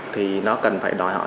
thì nó cần phải đòi hợp tác